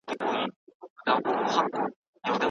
په دې تابلو باندې میین دی،